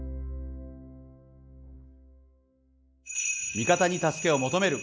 味方に助けを求める！